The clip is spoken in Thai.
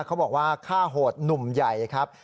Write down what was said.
เขาบอกว่าฆ่าโหดหนุ่มใหญ่ครับ